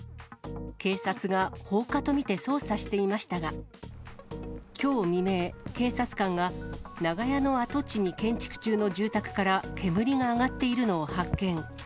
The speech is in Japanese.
警察が放火と見て捜査していましたが、きょう未明、警察官が長屋の跡地に建築中の住宅から煙が上がっているのを発見。